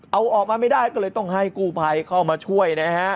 เอาออกมาไม่ได้ก็เลยต้องให้กู้ภัยเข้ามาช่วยนะฮะ